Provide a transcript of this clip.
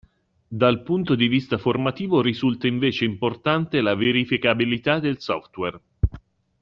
Dal punto di vista formativo risulta invece importante la verificabilità del software.